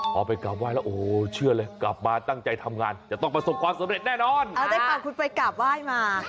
พอไปกลับไห้แล้วโอ้โหเชื่อเลยกลับมาตั้งใจทำงานจะต้องประสบความสำเร็จแน่นอนได้พาคุณไปกราบไหว้มา